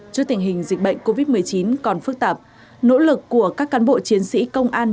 trước tình hình dịch bệnh covid một mươi chín còn phức tạp nỗ lực của các cán bộ chiến sĩ công an